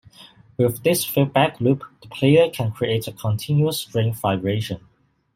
With this feedback loop the player can create a continuous string vibration.